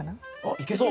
いけそう。